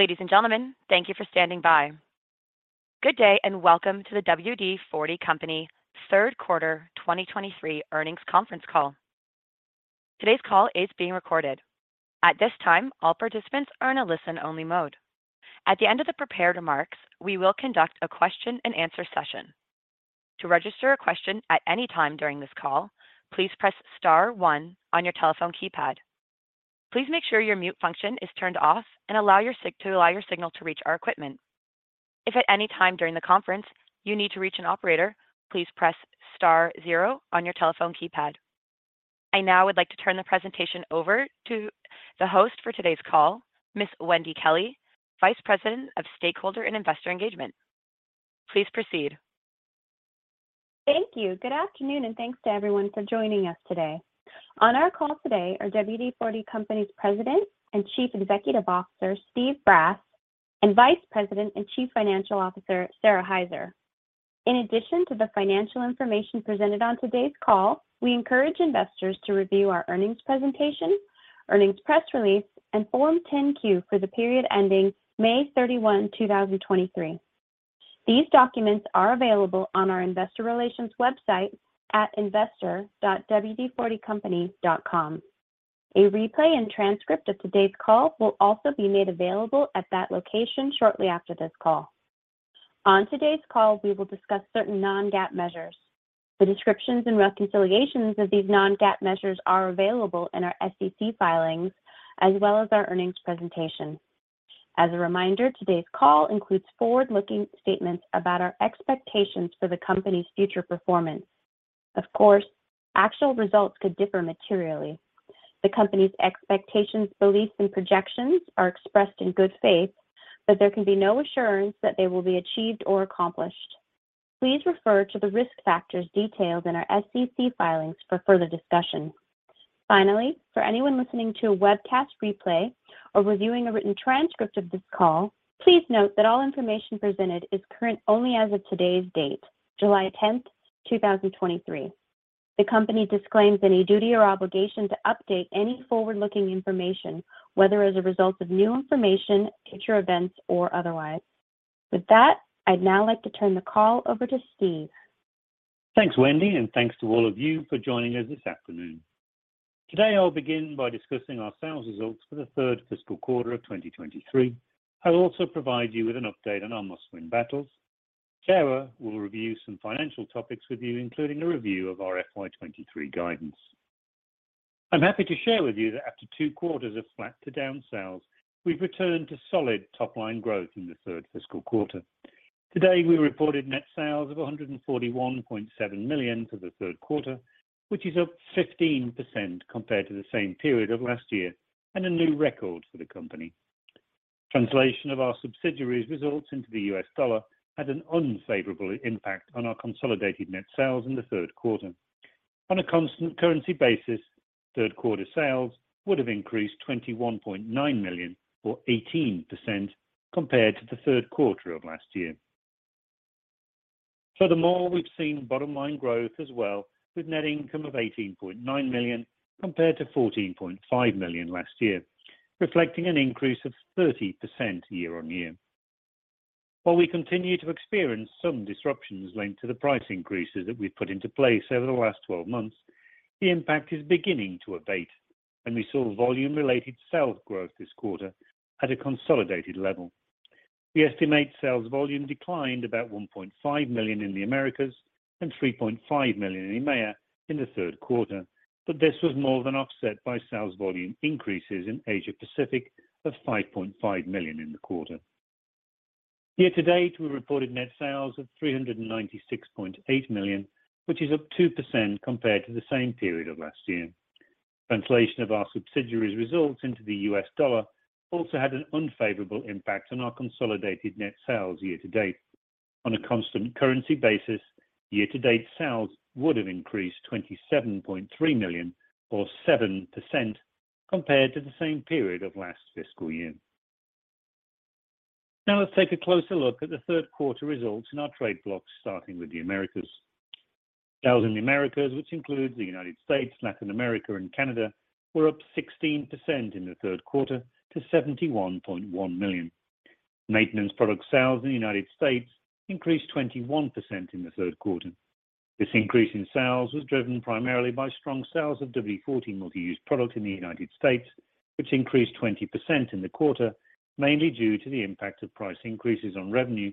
Ladies and gentlemen, thank you for standing by. Good day, welcome to the WD-40 Company Third Quarter 2023 Earnings Conference Call. Today's call is being recorded. At this time, all participants are in a listen-only mode. At the end of the prepared remarks, we will conduct a question and answer session. To register a question at any time during this call, please press star one on your telephone keypad. Please make sure your mute function is turned off and allow your signal to reach our equipment. If at any time during the conference you need to reach an operator, please press star zero on your telephone keypad. I now would like to turn the presentation over to the host for today's call, Ms. Wendy Kelley, Vice President of Stakeholder and Investor Engagement. Please proceed. Thank you. Good afternoon, thanks to everyone for joining us today. On our call today are WD-40 Company's President and Chief Executive Officer, Steve Brass, and Vice President and Chief Financial Officer, Sara Hyzer. In addition to the financial information presented on today's call, we encourage investors to review our earnings presentation, earnings press release, and Form 10-Q for the period ending May 31, 2023. These documents are available on our investor relations website at investor.wd40company.com. A replay and transcript of today's call will also be made available at that location shortly after this call. On today's call, we will discuss certain non-GAAP measures. The descriptions and reconciliations of these non-GAAP measures are available in our SEC filings as well as our earnings presentation. As a reminder, today's call includes forward-looking statements about our expectations for the company's future performance. Of course, actual results could differ materially. The company's expectations, beliefs, and projections are expressed in good faith, but there can be no assurance that they will be achieved or accomplished. Please refer to the risk factors detailed in our SEC filings for further discussion. Finally, for anyone listening to a webcast replay or reviewing a written transcript of this call, please note that all information presented is current only as of today's date, July 10, 2023. The company disclaims any duty or obligation to update any forward-looking information, whether as a result of new information, future events, or otherwise. With that, I'd now like to turn the call over to Steve. Thanks, Wendy Kelley, and thanks to all of you for joining us this afternoon. Today, I'll begin by discussing our sales results for the third fiscal quarter of 2023. I'll also provide you with an update on our must-win battles. Sara Hyzer will review some financial topics with you, including a review of our FY 2023 guidance. I'm happy to share with you that after two quarters of flat to down sales, we've returned to solid top-line growth in the third fiscal quarter. Today, we reported net sales of $141.7 million for the third quarter, which is up 15% compared to the same period of last year and a new record for the company. Translation of our subsidiaries results into the US dollar had an unfavorable impact on our consolidated net sales in the third quarter. On a constant currency basis, third quarter sales would have increased $21.9 million or 18% compared to the third quarter of last year. We've seen bottom-line growth as well, with net income of $18.9 million compared to $14.5 million last year, reflecting an increase of 30% year-over-year. While we continue to experience some disruptions linked to the price increases that we've put into place over the last 12 months, the impact is beginning to abate, and we saw volume-related sales growth this quarter at a consolidated level. We estimate sales volume declined about $1.5 million in the Americas and $3.5 million in EMEA in the third quarter, but this was more than offset by sales volume increases in Asia Pacific of $5.5 million in the quarter. Year to date, we reported net sales of $396.8 million, which is up 2% compared to the same period of last year. Translation of our subsidiaries results into the US dollar also had an unfavorable impact on our consolidated net sales year to date. On a constant currency basis, year to date sales would have increased $27.3 million or 7% compared to the same period of last fiscal year. Let's take a closer look at the third quarter results in our trade blocks, starting with the Americas. Sales in the Americas, which includes the United States, Latin America, and Canada, were up 16% in the third quarter to $71.1 million. Maintenance product sales in the United States increased 21% in the third quarter. This increase in sales was driven primarily by strong sales of WD-40 Multi-Use Product in the United States, which increased 20% in the quarter, mainly due to the impact of price increases on revenue,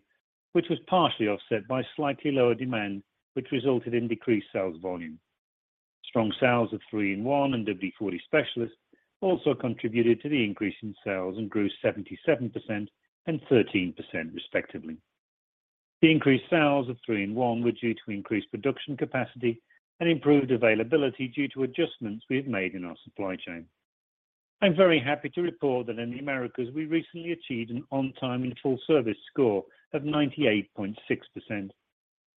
which was partially offset by slightly lower demand, which resulted in decreased sales volume. Strong sales of 3-IN-ONE and WD-40 Specialist also contributed to the increase in sales and grew 77% and 13%, respectively. The increased sales of 3-IN-ONE were due to increased production capacity and improved availability due to adjustments we have made in our supply chain. I'm very happy to report that in the Americas, we recently achieved an on-time and full service score of 98.6%.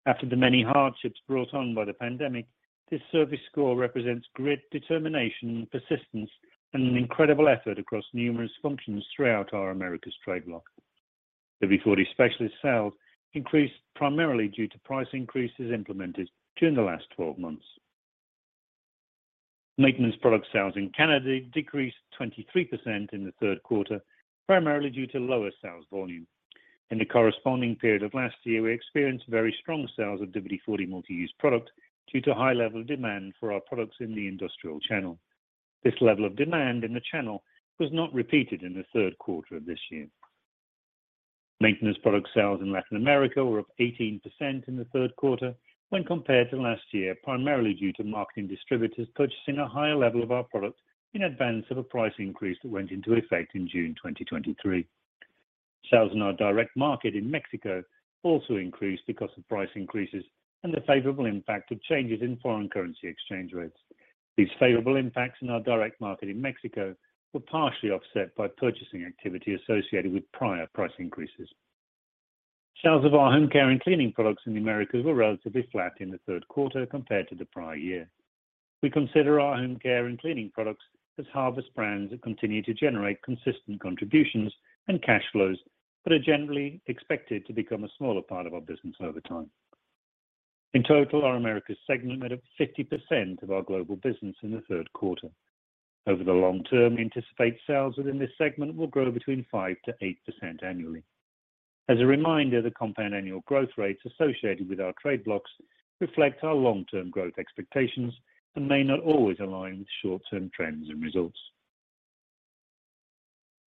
After the many hardships brought on by the pandemic, this service score represents great determination, persistence, and an incredible effort across numerous functions throughout our Americas trade block. WD-40 Specialist sales increased primarily due to price increases implemented during the last 12 months. Maintenance product sales in Canada decreased 23% in the third quarter, primarily due to lower sales volume. In the corresponding period of last year, we experienced very strong sales of WD-40 Multi-Use Product due to high level of demand for our products in the industrial channel. This level of demand in the channel was not repeated in the third quarter of this year. Maintenance product sales in Latin America were up 18% in the third quarter when compared to last year, primarily due to marketing distributors purchasing a higher level of our products in advance of a price increase that went into effect in June 2023. Sales in our direct market in Mexico also increased because of price increases and the favorable impact of changes in foreign currency exchange rates. These favorable impacts in our direct market in Mexico were partially offset by purchasing activity associated with prior price increases. Sales of our home care and cleaning products in the Americas were relatively flat in the third quarter compared to the prior year. We consider our home care and cleaning products as harvest brands that continue to generate consistent contributions and cash flows, but are generally expected to become a smaller part of our business over time. In total, our Americas segment made up 50% of our global business in the third quarter. Over the long term, we anticipate sales within this segment will grow between 5%-8% annually. As a reminder, the compound annual growth rates associated with our trade blocks reflect our long-term growth expectations and may not always align with short-term trends and results.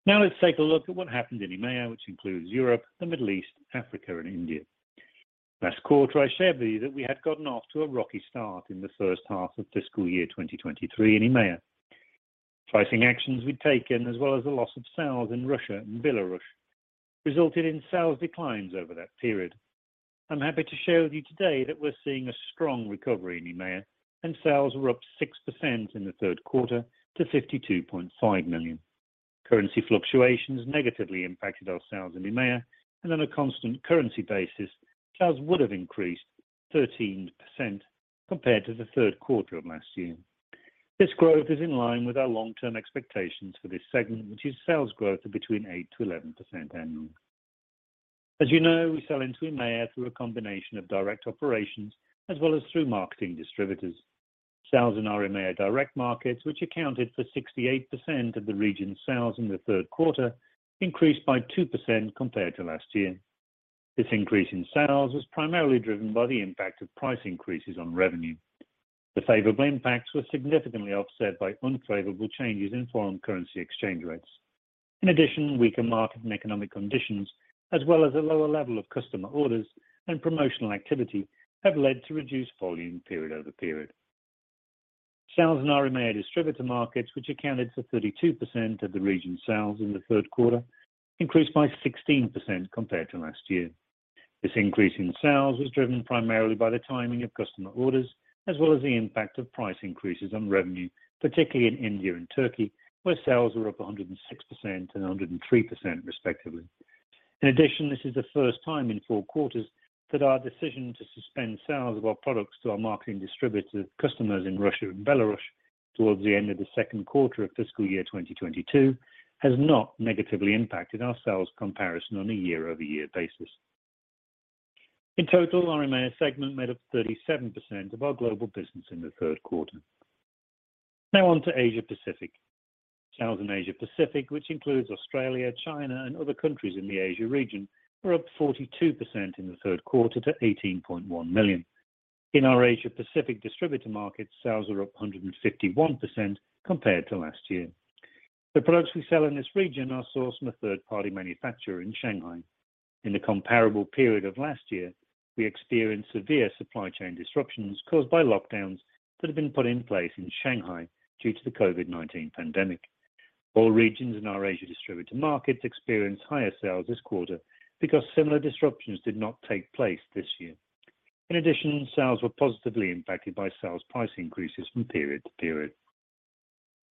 Let's take a look at what happened in EMEA, which includes Europe, the Middle East, Africa, and India. Last quarter, I shared with you that we had gotten off to a rocky start in the first half of fiscal year 2023 in EMEA. Pricing actions we'd taken, as well as the loss of sales in Russia and Belarus, resulted in sales declines over that period. I'm happy to share with you today that we're seeing a strong recovery in EMEA, and sales were up 6% in the third quarter to $52.5 million. Currency fluctuations negatively impacted our sales in EMEA, and on a constant currency basis, sales would have increased 13% compared to the third quarter of last year. This growth is in line with our long-term expectations for this segment, which is sales growth of between 8%-11% annually. As you know, we sell into EMEA through a combination of direct operations as well as through marketing distributors. Sales in our EMEA direct markets, which accounted for 68% of the region's sales in the third quarter, increased by 2% compared to last year. This increase in sales was primarily driven by the impact of price increases on revenue. The favorable impacts were significantly offset by unfavorable changes in foreign currency exchange rates. In addition, weaker market and economic conditions, as well as a lower level of customer orders and promotional activity, have led to reduced volume period-over-period. Sales in our EMEA distributor markets, which accounted for 32% of the region's sales in the third quarter, increased by 16% compared to last year. This increase in sales was driven primarily by the timing of customer orders, as well as the impact of price increases on revenue, particularly in India and Turkey, where sales were up 106% and 103% respectively. This is the first time in four quarters that our decision to suspend sales of our products to our marketing distributor customers in Russia and Belarus towards the end of the second quarter of fiscal year 2022 has not negatively impacted our sales comparison on a year-over-year basis. In total, our EMEA segment made up 37% of our global business in the third quarter. Now on to Asia Pacific. Sales in Asia Pacific, which includes Australia, China, and other countries in the Asia region, were up 42% in the third quarter to $18.1 million. In our Asia Pacific distributor markets, sales are up 151% compared to last year. The products we sell in this region are sourced from a third-party manufacturer in Shanghai. In the comparable period of last year, we experienced severe supply chain disruptions caused by lockdowns that have been put in place in Shanghai due to the COVID-19 pandemic. All regions in our Asia distributor markets experienced higher sales this quarter because similar disruptions did not take place this year. Sales were positively impacted by sales price increases from period to period.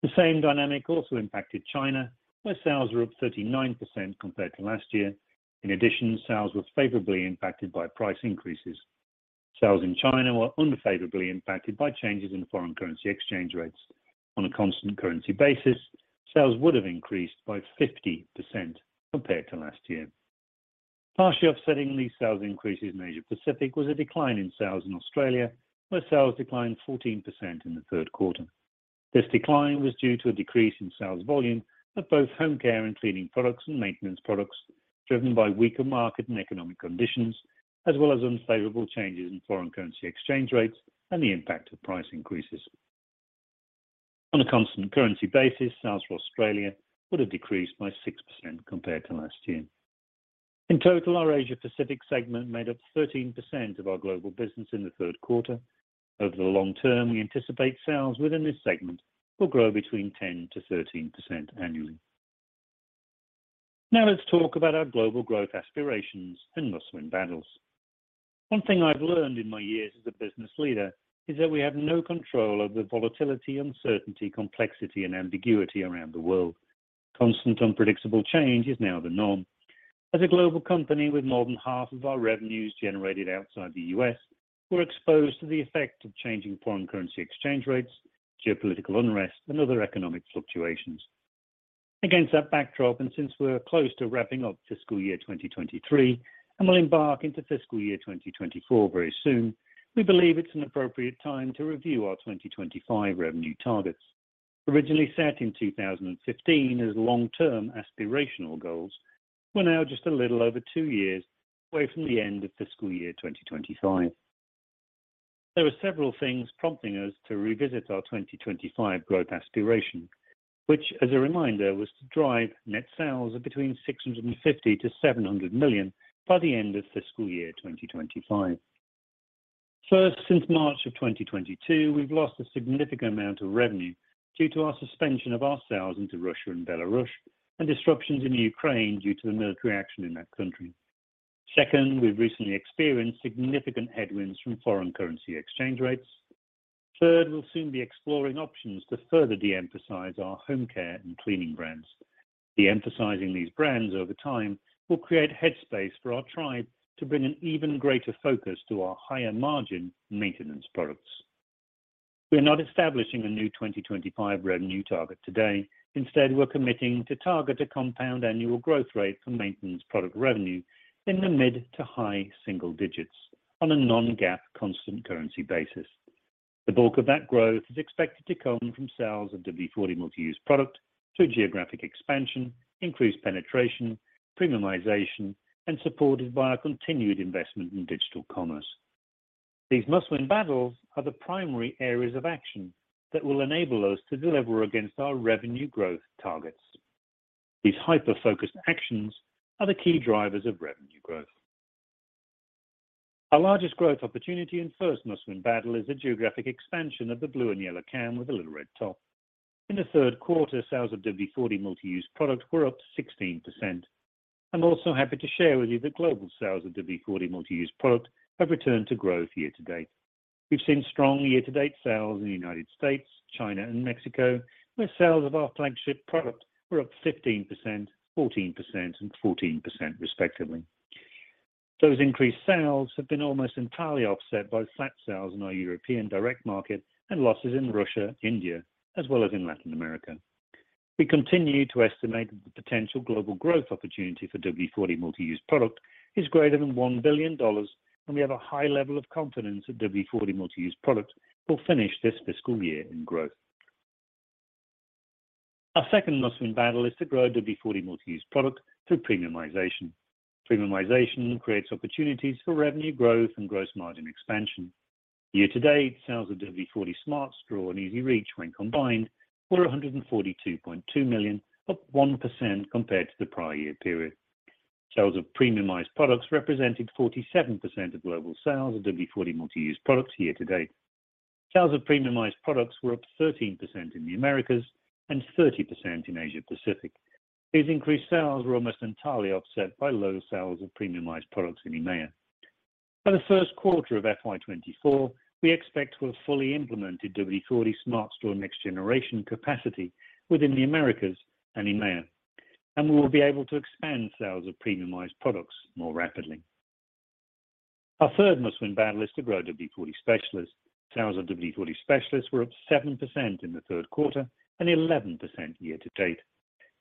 The same dynamic also impacted China, where sales were up 39% compared to last year. Sales were favorably impacted by price increases. Sales in China were unfavorably impacted by changes in foreign currency exchange rates. On a constant currency basis, sales would have increased by 50% compared to last year. Partially offsetting these sales increases in Asia Pacific was a decline in sales in Australia, where sales declined 14% in the third quarter. This decline was due to a decrease in sales volume of both home care and cleaning products and maintenance products, driven by weaker market and economic conditions, as well as unfavorable changes in foreign currency exchange rates and the impact of price increases. On a constant currency basis, sales for Australia would have decreased by 6% compared to last year. In total, our Asia Pacific segment made up 13% of our global business in the third quarter. Over the long term, we anticipate sales within this segment will grow between 10%-13% annually. Let's talk about our global growth aspirations and must-win battles. One thing I've learned in my years as a business leader is that we have no control over the volatility, uncertainty, complexity, and ambiguity around the world. Constant unpredictable change is now the norm. As a global company with more than half of our revenues generated outside the U.S., we're exposed to the effect of changing foreign currency exchange rates, geopolitical unrest, and other economic fluctuations.... Against that backdrop, and since we're close to wrapping up fiscal year 2023 and will embark into fiscal year 2024 very soon, we believe it's an appropriate time to review our 2025 revenue targets. Originally set in 2015 as long-term aspirational goals, we're now just a little over two years away from the end of fiscal year 2025. There were several things prompting us to revisit our 2025 growth aspiration, which, as a reminder, was to drive net sales of between $650 million-$700 million by the end of fiscal year 2025. First, since March of 2022, we've lost a significant amount of revenue due to our suspension of our sales into Russia and Belarus and disruptions in Ukraine due to the military action in that country. Second, we've recently experienced significant headwinds from foreign currency exchange rates. Third, we'll soon be exploring options to further de-emphasize our home care and cleaning brands. De-emphasizing these brands over time will create headspace for our tribe to bring an even greater focus to our higher-margin maintenance products. We are not establishing a new 2025 revenue target today. Instead, we're committing to target a compound annual growth rate for maintenance product revenue in the mid to high single digits on a non-GAAP constant currency basis. The bulk of that growth is expected to come from sales of WD-40 Multi-Use Product through geographic expansion, increased penetration, premiumization, and supported by our continued investment in digital commerce. These must-win battles are the primary areas of action that will enable us to deliver against our revenue growth targets. These hyper-focused actions are the key drivers of revenue growth. Our largest growth opportunity and first must-win battle is the geographic expansion of the blue and yellow can with a little red top. In the third quarter, sales of WD-40 Multi-Use Product were up 16%. I'm also happy to share with you that global sales of WD-40 Multi-Use Product have returned to growth year to date. We've seen strong year-to-date sales in the United States, China, and Mexico, where sales of our flagship product were up 15%, 14%, and 14% respectively. Those increased sales have been almost entirely offset by flat sales in our European direct market and losses in Russia, India, as well as in Latin America. We continue to estimate the potential global growth opportunity for WD-40 Multi-Use Product is greater than $1 billion. We have a high level of confidence that WD-40 Multi-Use Product will finish this fiscal year in growth. Our second must-win battle is to grow WD-40 Multi-Use Product through premiumization. Premiumization creates opportunities for revenue growth and gross margin expansion. Year-to-date, sales of WD-40 Smart Straw and EZ-REACH, when combined, were $142.2 million, up 1% compared to the prior year period. Sales of premiumized products represented 47% of global sales of WD-40 Multi-Use products year to date. Sales of premiumized products were up 13% in the Americas and 30% in Asia Pacific. These increased sales were almost entirely offset by low sales of premiumized products in EMEA. By the first quarter of FY 2024, we expect to have fully implemented WD-40 Smart Straw next generation capacity within the Americas and EMEA, and we will be able to expand sales of premiumized products more rapidly. Our third must-win battle is to grow WD-40 Specialist. Sales of WD-40 Specialist were up 7% in the third quarter and 11% year to date.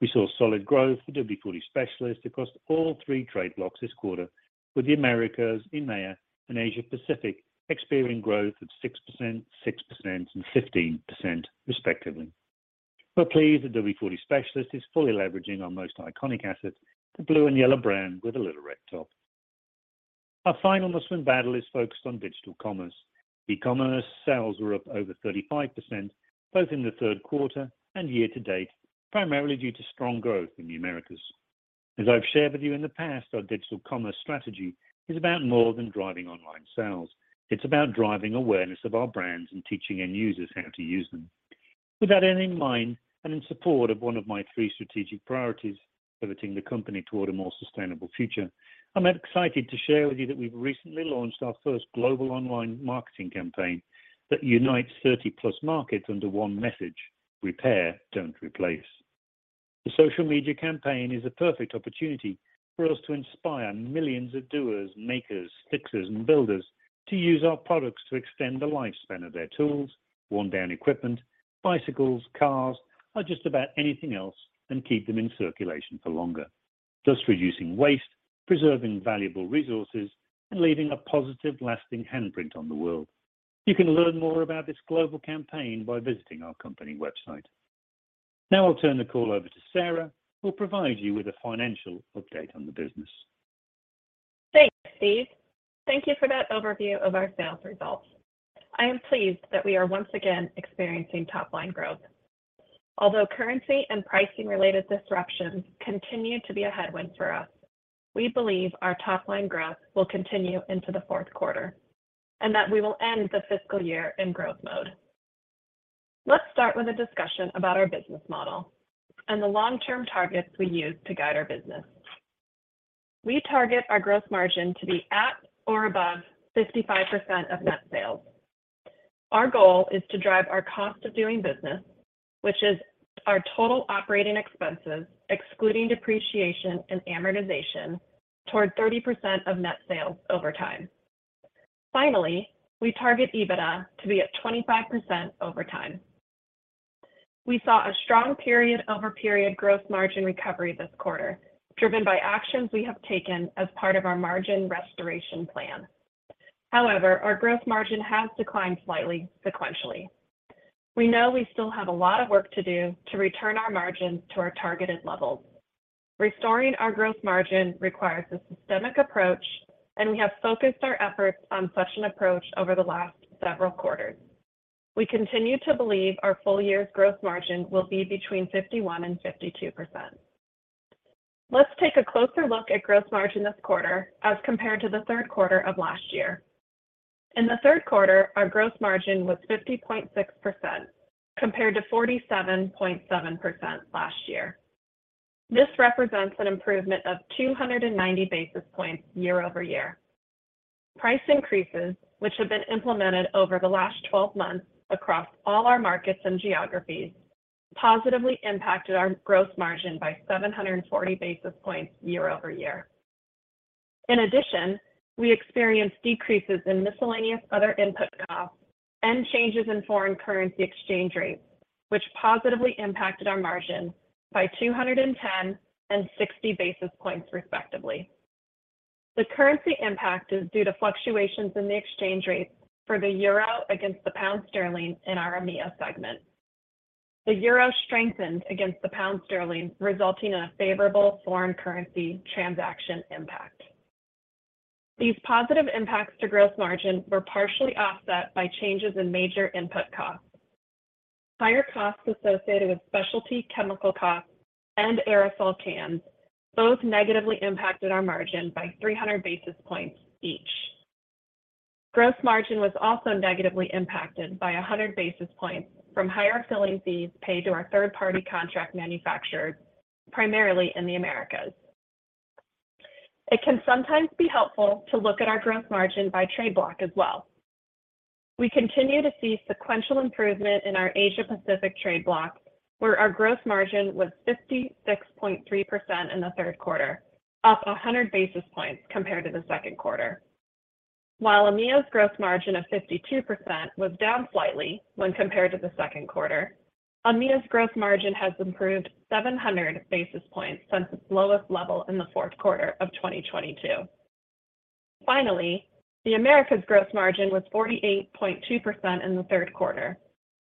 We saw solid growth for WD-40 Specialist across all three trade blocks this quarter, with the Americas, EMEA, and Asia Pacific experiencing growth of 6%, 6%, and 15% respectively. We're pleased that WD-40 Specialist is fully leveraging our most iconic asset, the blue and yellow brand with a little red top. Our final must-win battle is focused on digital commerce. e-commerce sales were up over 35%, both in the third quarter and year to date, primarily due to strong growth in the Americas. As I've shared with you in the past, our digital commerce strategy is about more than driving online sales. It's about driving awareness of our brands and teaching end users how to use them. With that end in mind, and in support of one of my three strategic priorities, pivoting the company toward a more sustainable future, I'm excited to share with you that we've recently launched our first global online marketing campaign that unites 30+ markets under one message: Repair, Don't Replace. The social media campaign is a perfect opportunity for us to inspire millions of doers, makers, fixers, and builders to use our products to extend the lifespan of their tools, worn-down equipment, bicycles, cars, or just about anything else, and keep them in circulation for longer, thus reducing waste, preserving valuable resources, and leaving a positive, lasting handprint on the world. You can learn more about this global campaign by visiting our company website. Now I'll turn the call over to Sara, who will provide you with a financial update on the business. Thanks, Steve. Thank you for that overview of our sales results. I am pleased that we are once again experiencing top-line growth. Although currency and pricing-related disruptions continue to be a headwind for us, we believe our top-line growth will continue into the fourth quarter and that we will end the fiscal year in growth mode. Let's start with a discussion about our business model and the long-term targets we use to guide our business. We target our gross margin to be at or above 55% of net sales. Our goal is to drive our cost of doing business, which is our total operating expenses, excluding depreciation and amortization, toward 30% of net sales over time. Finally, we target EBITDA to be at 25% over time. We saw a strong period-over-period gross margin recovery this quarter, driven by actions we have taken as part of our margin restoration plan. However, our gross margin has declined slightly sequentially. We know we still have a lot of work to do to return our margins to our targeted levels. Restoring our gross margin requires a systemic approach, and we have focused our efforts on such an approach over the last several quarters. We continue to believe our full year's gross margin will be between 51% and 52%. Let's take a closer look at gross margin this quarter as compared to the third quarter of last year. In the third quarter, our gross margin was 50.6%, compared to 47.7% last year. This represents an improvement of 290 basis points year-over-year. Price increases, which have been implemented over the last 12 months across all our markets and geographies, positively impacted our gross margin by 740 basis points year-over-year. In addition, we experienced decreases in miscellaneous other input costs and changes in foreign currency exchange rates, which positively impacted our margin by 210 and 60 basis points, respectively. The currency impact is due to fluctuations in the exchange rates for the euro against the pound sterling in our AMEA segment. The euro strengthened against the pound sterling, resulting in a favorable foreign currency transaction impact. These positive impacts to gross margin were partially offset by changes in major input costs. Higher costs associated with specialty chemical costs and aerosol cans both negatively impacted our margin by 300 basis points each. Gross margin was also negatively impacted by 100 basis points from higher filling fees paid to our third-party contract manufacturer, primarily in the Americas. It can sometimes be helpful to look at our gross margin by trade block as well. We continue to see sequential improvement in our Asia Pacific trade block, where our gross margin was 56.3% in the third quarter, up 100 basis points compared to the second quarter. While EMEA's gross margin of 52% was down slightly when compared to the second quarter, EMEA's gross margin has improved 700 basis points since its lowest level in the fourth quarter of 2022. The Americas gross margin was 48.2% in the third quarter,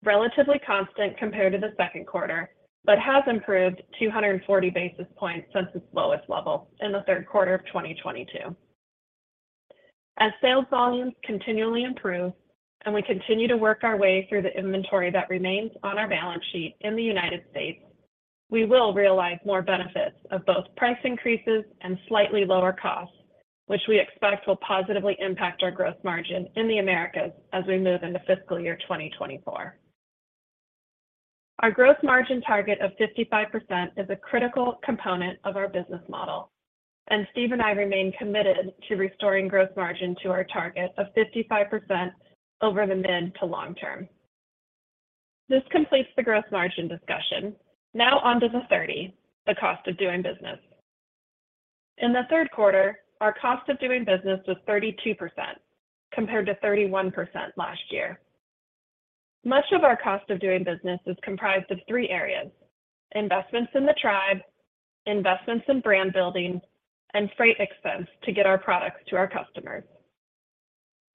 relatively constant compared to the second quarter, but has improved 240 basis points since its lowest level in the third quarter of 2022. As sales volumes continually improve and we continue to work our way through the inventory that remains on our balance sheet in the United States, we will realize more benefits of both price increases and slightly lower costs, which we expect will positively impact our gross margin in the Americas as we move into fiscal year 2024. Our gross margin target of 55% is a critical component of our business model, and Steve and I remain committed to restoring gross margin to our target of 55% over the mid to long term. This completes the gross margin discussion. Now on to the 30%, the cost of doing business. In the third quarter, our cost of doing business was 32%, compared to 31% last year. Much of our cost of doing business is comprised of three areas: investments in the tribe, investments in brand building, and freight expense to get our products to our customers.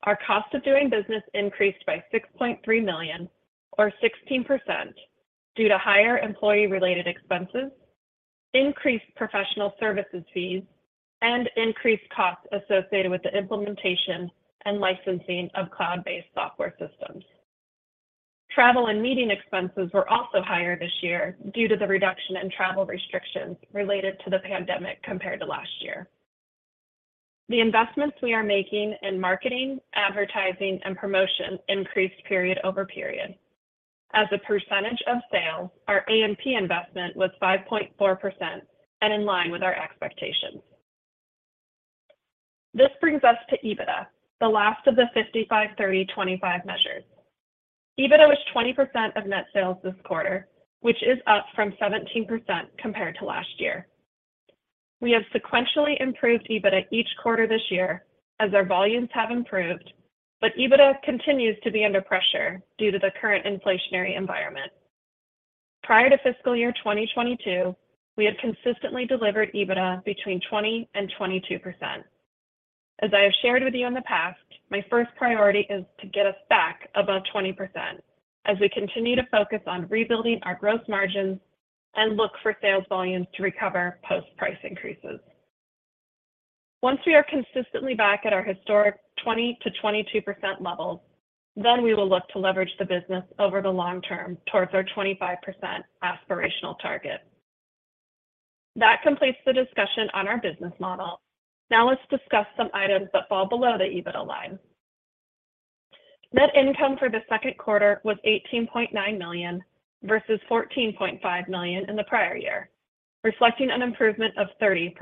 Our cost of doing business increased by $6.3 million, or 16%, due to higher employee-related expenses, increased professional services fees, and increased costs associated with the implementation and licensing of cloud-based software systems. Travel and meeting expenses were also higher this year due to the reduction in travel restrictions related to the pandemic compared to last year. The investments we are making in marketing, advertising, and promotion increased period over period. As a percentage of sales, our AMP investment was 5.4% and in line with our expectations. This brings us to EBITDA, the last of the 55/30/25 measures. EBITDA was 20% of net sales this quarter, which is up from 17% compared to last year. We have sequentially improved EBITDA each quarter this year as our volumes have improved, but EBITDA continues to be under pressure due to the current inflationary environment. Prior to fiscal year 2022, we have consistently delivered EBITDA between 20% and 22%. As I have shared with you in the past, my first priority is to get us back above 20% as we continue to focus on rebuilding our growth margins and look for sales volumes to recover post-price increases. Once we are consistently back at our historic 20%-22% levels, then we will look to leverage the business over the long term towards our 25% aspirational target. That completes the discussion on our business model. Let's discuss some items that fall below the EBITDA line. Net income for the second quarter was $18.9 million versus $14.5 million in the prior year, reflecting an improvement of 30%.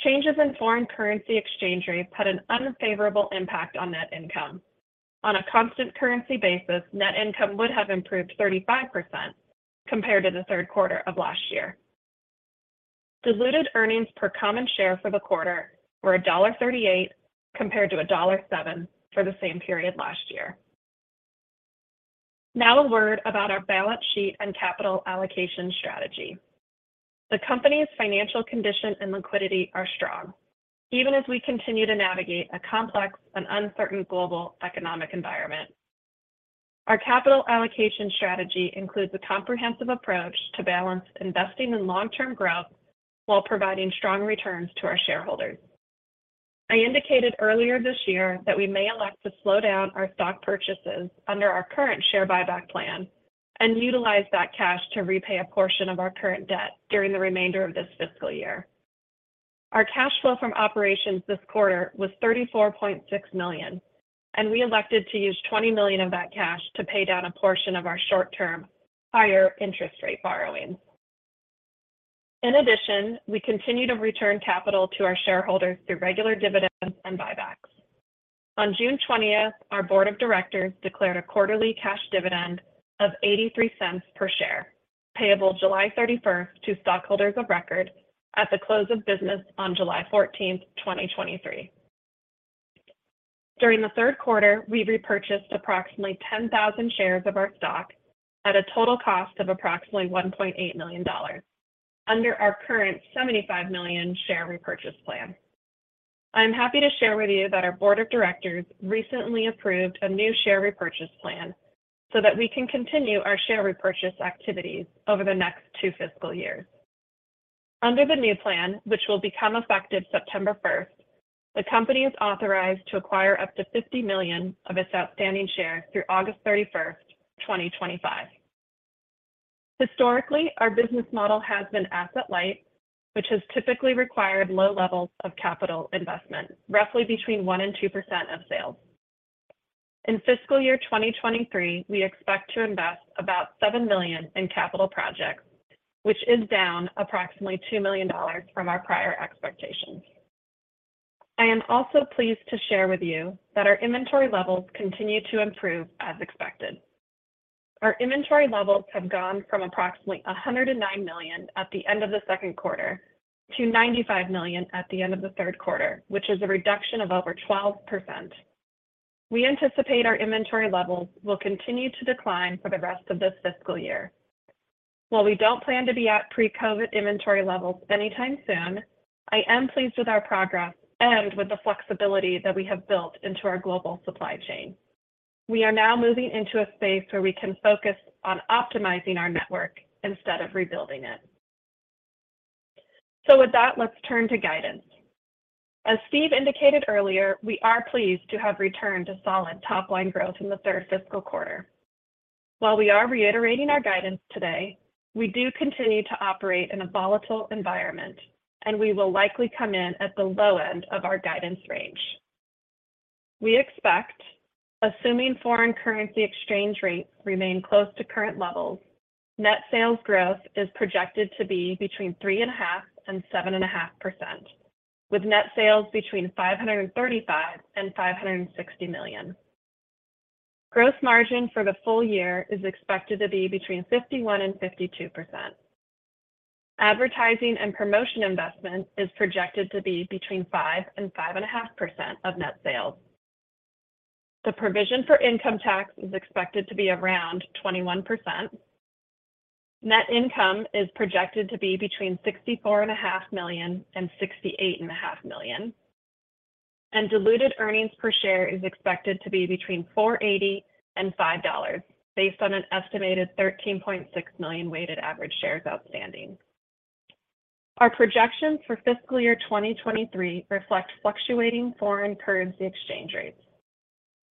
Changes in foreign currency exchange rates had an unfavorable impact on net income. On a constant currency basis, net income would have improved 35% compared to the third quarter of last year. Diluted earnings per common share for the quarter were $1.38, compared to $1.07 for the same period last year. A word about our balance sheet and capital allocation strategy. The company's financial condition and liquidity are strong, even as we continue to navigate a complex and uncertain global economic environment. Our capital allocation strategy includes a comprehensive approach to balance investing in long-term growth while providing strong returns to our shareholders. I indicated earlier this year that we may elect to slow down our stock purchases under our current share buyback plan and utilize that cash to repay a portion of our current debt during the remainder of this fiscal year. Our cash flow from operations this quarter was $34.6 million, we elected to use $20 million of that cash to pay down a portion of our short-term, higher interest rate borrowing. In addition, we continue to return capital to our shareholders through regular dividends and buybacks. On June 20th, our board of directors declared a quarterly cash dividend of $0.83 per share, payable July 31st to stockholders of record at the close of business on July 14th, 2023. During the third quarter, we repurchased approximately 10,000 shares of our stock at a total cost of approximately $1.8 million under our current $75 million share repurchase plan. I'm happy to share with you that our board of directors recently approved a new share repurchase plan so that we can continue our share repurchase activities over the next 2 fiscal years. Under the new plan, which will become effective September 1st, the company is authorized to acquire up to 50 million of its outstanding shares through August 31st, 2025. Historically, our business model has been asset light, which has typically required low levels of capital investment, roughly between 1%-2% of sales. In fiscal year 2023, we expect to invest about $7 million in capital projects, which is down approximately $2 million from our prior expectations. I am also pleased to share with you that our inventory levels continue to improve as expected. Our inventory levels have gone from approximately $109 million at the end of the second quarter to $95 million at the end of the third quarter, which is a reduction of over 12%. We anticipate our inventory levels will continue to decline for the rest of this fiscal year. While we don't plan to be at pre-COVID inventory levels anytime soon, I am pleased with our progress and with the flexibility that we have built into our global supply chain. We are now moving into a space where we can focus on optimizing our network instead of rebuilding it. With that, let's turn to guidance. As Steve indicated earlier, we are pleased to have returned to solid top-line growth in the third fiscal quarter. While we are reiterating our guidance today, we do continue to operate in a volatile environment, and we will likely come in at the low end of our guidance range. We expect, assuming foreign currency exchange rates remain close to current levels, net sales growth is projected to be between 3.5% and 7.5%, with net sales between $535 million and $560 million. Gross margin for the full year is expected to be between 51%-52%. Advertising and promotion investment is projected to be between 5%-5.5% of net sales. The provision for income tax is expected to be around 21%. Net income is projected to be between sixty-four and a half million and sixty-eight and a half million. Diluted earnings per share is expected to be between $4.80 and $5, based on an estimated 13.6 million weighted average shares outstanding. Our projections for fiscal year 2023 reflect fluctuating foreign currency exchange rates.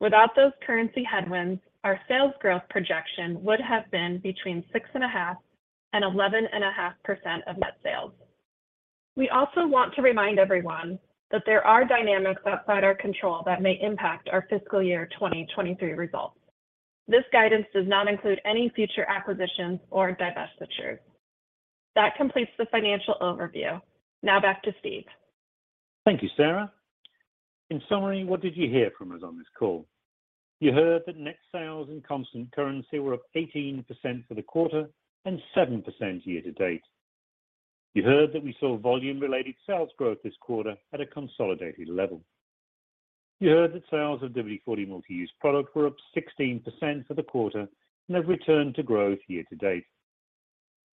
Without those currency headwinds, our sales growth projection would have been between 6.5% and 11.5% of net sales. We also want to remind everyone that there are dynamics outside our control that may impact our fiscal year 2023 results. This guidance does not include any future acquisitions or divestitures. That completes the financial overview. Now back to Steve. Thank you, Sara. In summary, what did you hear from us on this call? You heard that net sales and constant currency were up 18% for the quarter and 7% year-to-date. You heard that we saw volume-related sales growth this quarter at a consolidated level. You heard that sales of WD-40 Multi-Use Product were up 16% for the quarter and have returned to growth year-to-date.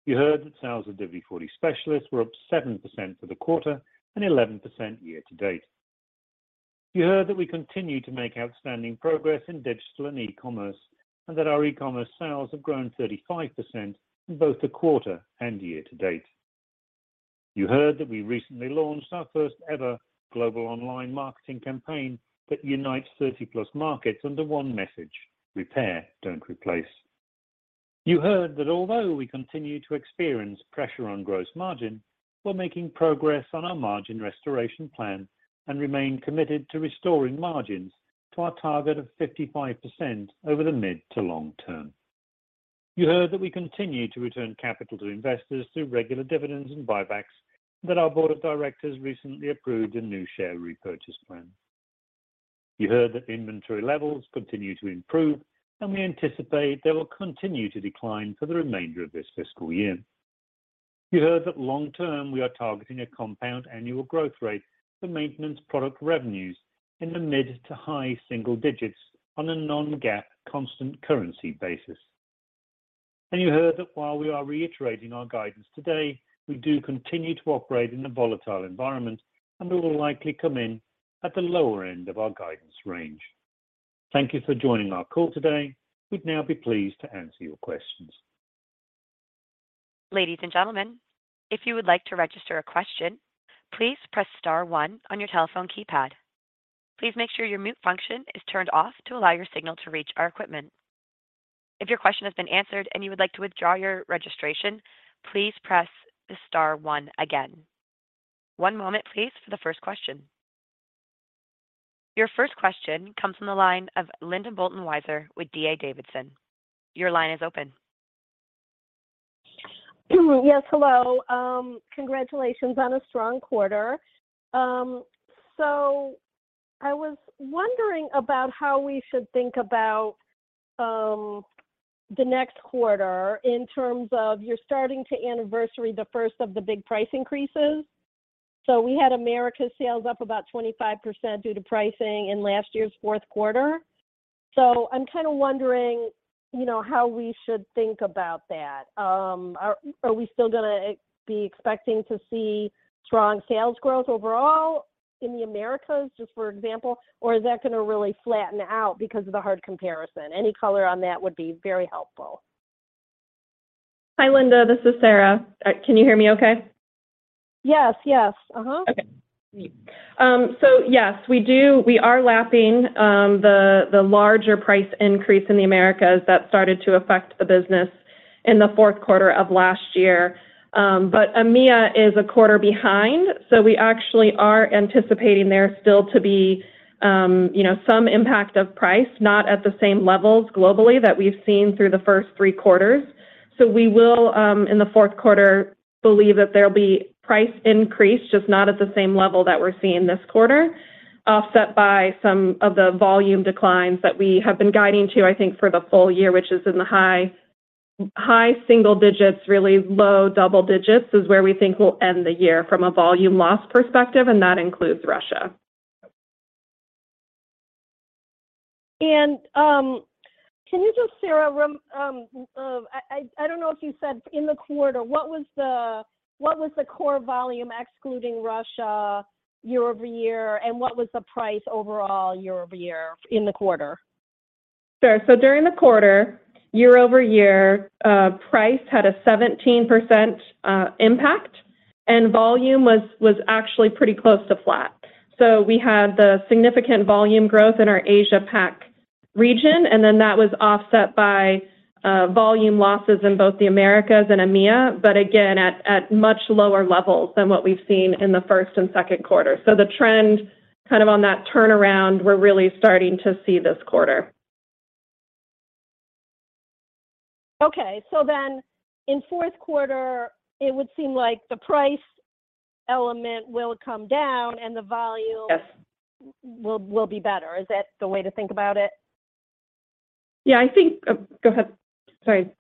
You heard that sales of WD-40 Specialist were up 7% for the quarter and 11% year-to-date. You heard that we continue to make outstanding progress in digital and e-commerce, and that our e-commerce sales have grown 35% in both the quarter and year-to-date. You heard that we recently launched our first ever global online marketing campaign that unites 30-+ markets under one message: Repair, Don't Replace. You heard that although we continue to experience pressure on gross margin, we're making progress on our margin restoration plan and remain committed to restoring margins to our target of 55% over the mid to long term. You heard that we continue to return capital to investors through regular dividends and buybacks, and that our board of directors recently approved a new share repurchase plan. You heard that inventory levels continue to improve, and we anticipate they will continue to decline for the remainder of this fiscal year. You heard that long term, we are targeting a compound annual growth rate for maintenance product revenues in the mid to high single digits on a non-GAAP constant currency basis. You heard that while we are reiterating our guidance today, we do continue to operate in a volatile environment, and we will likely come in at the lower end of our guidance range. Thank you for joining our call today. We'd now be pleased to answer your questions. Ladies and gentlemen, if you would like to register a question, please press star one on your telephone keypad. Please make sure your mute function is turned off to allow your signal to reach our equipment. If your question has been answered and you would like to withdraw your registration, please press the star one again. One moment, please, for the first question. Your first question comes from the line of Linda Bolton-Weiser with D.A. Davidson. Your line is open. Yes, hello. Congratulations on a strong quarter. I was wondering about how we should think about the next quarter in terms of you're starting to anniversary the first of the big price increases. We had Americas sales up about 25% due to pricing in last year's fourth quarter. I'm kind of wondering, you know, how we should think about that. Are we still gonna be expecting to see strong sales growth overall in the Americas, just for example, or is that gonna really flatten out because of the hard comparison? Any color on that would be very helpful. Hi, Linda, this is Sara. Can you hear me okay? Yes. Yes, we do. We are lapping the larger price increase in the Americas that started to affect the business in the fourth quarter of last year. AMEA is a quarter behind, so we actually are anticipating there still to be, you know, some impact of price, not at the same levels globally that we've seen through the first three quarters. We will, in the fourth quarter, believe that there will be price increase, just not at the same level that we're seeing this quarter, offset by some of the volume declines that we have been guiding to, I think, for the full year, which is in the high single digits, really low double digits, is where we think we'll end the year from a volume loss perspective, and that includes Russia. Can you just, Sara, I don't know if you said in the quarter, what was the core volume, excluding Russia, year-over-year, and what was the price overall year-over-year in the quarter? Sure. During the quarter, year-over-year, price had a 17% impact, and volume was actually pretty close to flat. We had the significant volume growth in our Asia Pac region, and then that was offset by volume losses in both the Americas and AMEA, but again, at much lower levels than what we've seen in the 1st and 2nd quarter. The trend kind of on that turnaround, we're really starting to see this quarter. Okay. In fourth quarter, it would seem like the price element will come down. Yes will be better. Is that the way to think about it? Yeah, I think, go ahead. Sorry.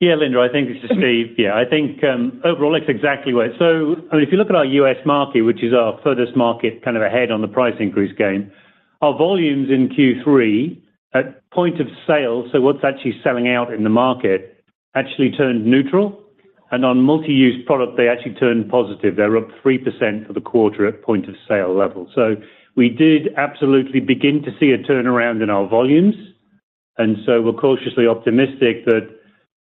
Yeah, Linda, I think it's Steve. Yeah, I think overall, that's exactly right. If you look at our U.S. market, which is our furthest market, kind of ahead on the price increase game, our volumes in Q3 at point of sale, so what's actually selling out in the market, actually turned neutral. On Multi-Use Product, they actually turned positive. They're up 3% for the quarter at point of sale level. We did absolutely begin to see a turnaround in our volumes, and so we're cautiously optimistic that,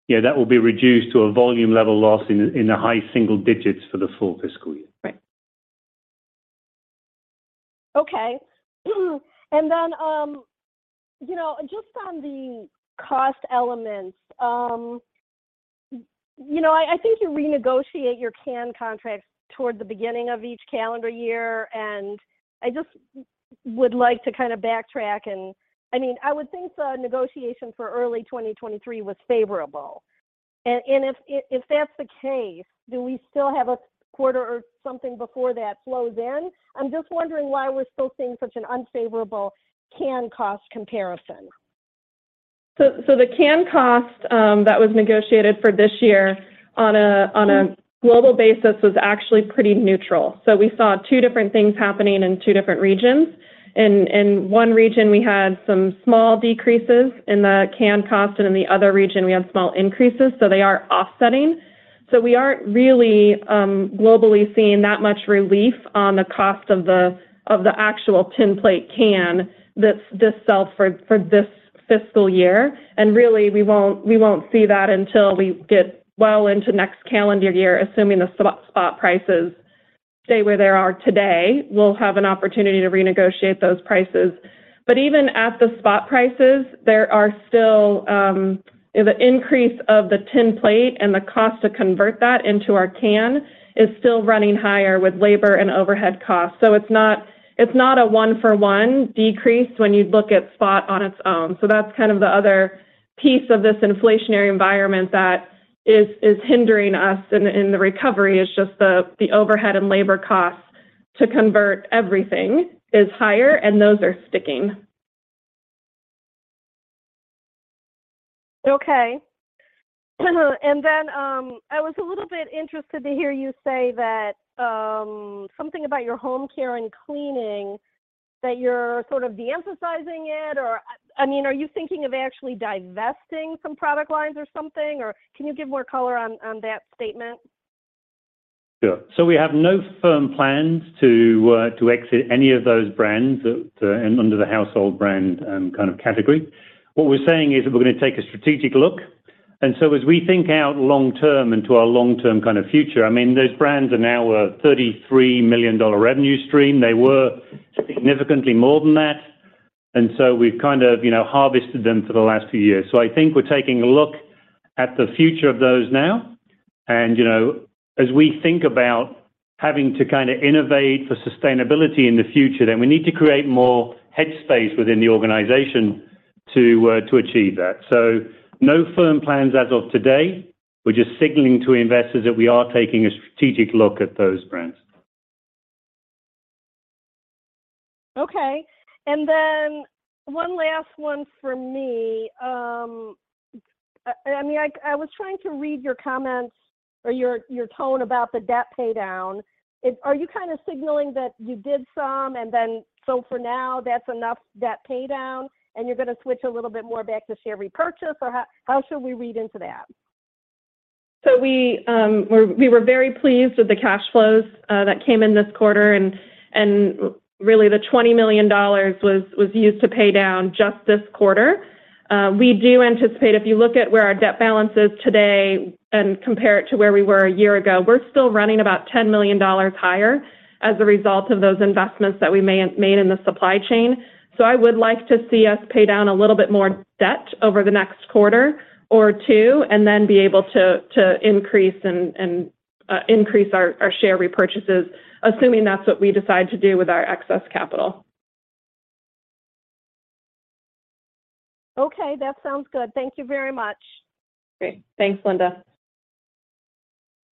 yeah, that will be reduced to a volume level loss in the high single digits for the full fiscal year. Right. Okay. Then, you know, just on the cost elements, you know, I think you renegotiate your can contracts toward the beginning of each calendar year, I mean, I would think the negotiation for early 2023 was favorable. If that's the case, do we still have a quarter or something before that flows in? I'm just wondering why we're still seeing such an unfavorable can cost comparison. The can cost that was negotiated for this year on a global basis was actually pretty neutral. We saw two different things happening in two different regions. In one region, we had some small decreases in the can cost, and in the other region, we had small increases, so they are offsetting. We aren't really globally seeing that much relief on the cost of the actual tin plate can that this sell for this fiscal year. Really, we won't see that until we get well into next calendar year, assuming the spot prices stay where they are today. We'll have an opportunity to renegotiate those prices. Even at the spot prices, there are still the increase of the tin plate and the cost to convert that into our can is still running higher with labor and overhead costs. It's not a 1 for 1 decrease when you look at spot on its own. That's kind of the other piece of this inflationary environment that is hindering us in the recovery is just the overhead and labor costs to convert everything is higher, and those are sticking. Okay. Then, I was a little bit interested to hear you say that, something about your home care and cleaning, that you're sort of de-emphasizing it, or, I mean, are you thinking of actually divesting some product lines or something, or can you give more color on that statement? Sure. We have no firm plans to exit any of those brands and under the household brand and kind of category. What we're saying is that we're gonna take a strategic look, and so as we think out long term into our long-term kind of future, I mean, those brands are now a $33 million revenue stream. They were significantly more than that, and so we've kind of, you know, harvested them for the last few years. I think we're taking a look at the future of those now, and, you know, as we think about having to kind of innovate for sustainability in the future, then we need to create more head space within the organization to achieve that. No firm plans as of today. We're just signaling to investors that we are taking a strategic look at those brands. Okay, one last one for me. I mean, I was trying to read your comments or your tone about the debt paydown. Are you kind of signaling that you did some, and then, so for now, that's enough debt paydown, and you're gonna switch a little bit more back to share repurchase, or how should we read into that? We were very pleased with the cash flows that came in this quarter. Really, the $20 million was used to pay down just this quarter. We do anticipate, if you look at where our debt balance is today and compare it to where we were a year ago, we're still running about $10 million higher as a result of those investments that we may have made in the supply chain. I would like to see us pay down a little bit more debt over the next quarter or two, and then be able to increase our share repurchases, assuming that's what we decide to do with our excess capital. Okay, that sounds good. Thank You very much. Great. Thanks, Linda.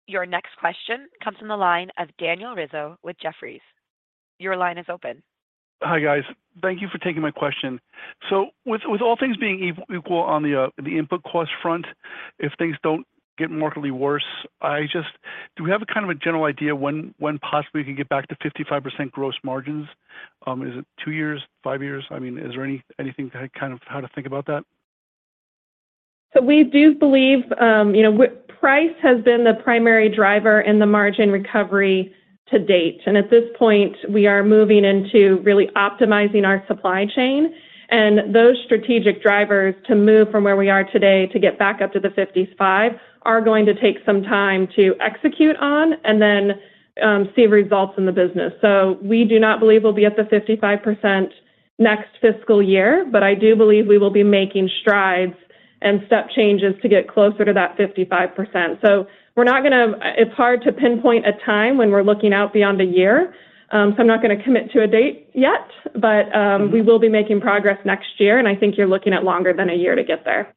Your next question comes from the line of Daniel Rizzo with Jefferies. Your line is open. Hi, guys. Thank you for taking my question. With all things being equal on the input cost front, if things don't get markedly worse, I just... Do we have a kind of a general idea when possibly we can get back to 55% gross margins? Is it two years, five years? I mean, is there anything kind of, how to think about that? We do believe, you know, price has been the primary driver in the margin recovery to date. At this point, we are moving into really optimizing our supply chain, and those strategic drivers to move from where we are today to get back up to the 55, are going to take some time to execute on, and then, see results in the business. We do not believe we'll be at the 55% next fiscal year, but I do believe we will be making strides and step changes to get closer to that 55%. We're not gonna... It's hard to pinpoint a time when we're looking out beyond a year. I'm not gonna commit to a date yet, but we will be making progress next year. I think you're looking at longer than a year to get there.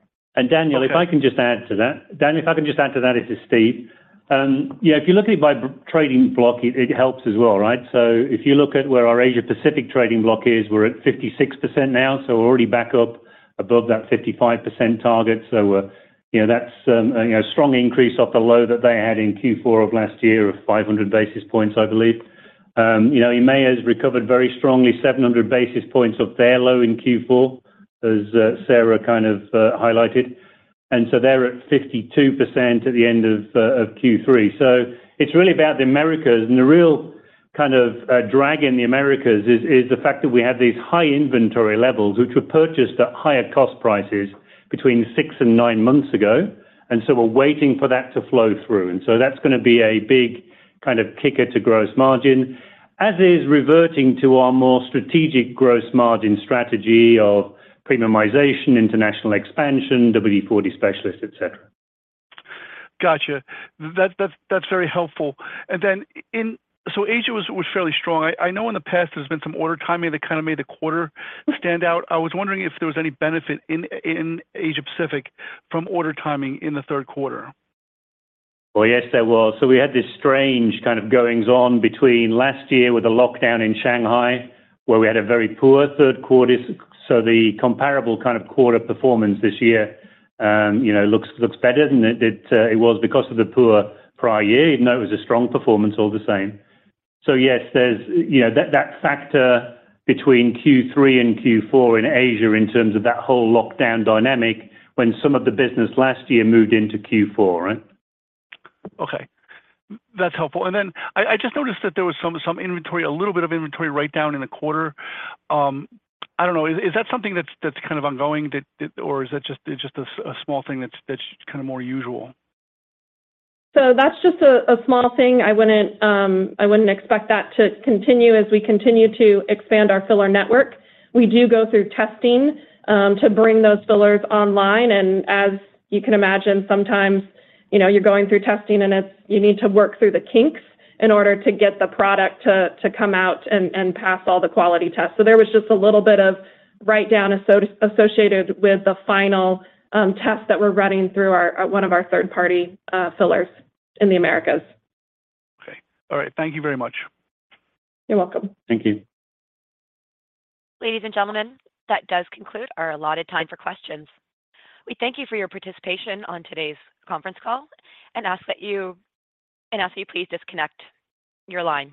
Daniel, if I can just add to that, this is Steve. Yeah, if you look at it by trading block, it helps as well, right? If you look at where our Asia Pacific trading block is, we're at 56% now, so we're already back up above that 55% target. You know, that's, you know, a strong increase off the low that they had in Q4 of last year of 500 basis points, I believe. You know, EMEA has recovered very strongly, 700 basis points off their low in Q4, as Sara kind of highlighted, They're at 52% at the end of Q3. It's really about the Americas, and the real kind of drag in the Americas is the fact that we had these high inventory levels, which were purchased at higher cost prices between 6 and 9 months ago, and so we're waiting for that to flow through. That's gonna be a big kind of kicker to gross margin, as is reverting to our more strategic gross margin strategy of premiumization, international expansion, WD-40 Specialist, et cetera. Gotcha. That's very helpful. Asia was fairly strong. I know in the past there's been some order timing that kind of made the quarter stand out. I was wondering if there was any benefit in Asia Pacific from order timing in the third quarter? Yes, there was. We had this strange kind of goings-on between last year with the lockdown in Shanghai, where we had a very poor third quarter. The comparable kind of quarter performance this year, you know, looks better than it was because of the poor prior year, even though it was a strong performance all the same. Yes, there's, you know, that factor between Q3 and Q4 in Asia in terms of that whole lockdown dynamic, when some of the business last year moved into Q4, right? Okay. That's helpful. Then, I just noticed that there was some inventory, a little bit of inventory write down in the quarter. I don't know, is that something that's kind of ongoing, did, or is that just a small thing that's kind of more usual? That's just a small thing. I wouldn't, I wouldn't expect that to continue as we continue to expand our filler network. We do go through testing to bring those fillers online, and as you can imagine, sometimes, you know, you're going through testing, and you need to work through the kinks in order to get the product to come out and pass all the quality tests. There was just a little bit of write-down associated with the final test that we're running through our one of our third-party fillers in the Americas. Okay. All right. Thank you very much. You're welcome. Thank you. Ladies and gentlemen, that does conclude our allotted time for questions. We thank you for your participation on today's conference call and ask that you please disconnect your line.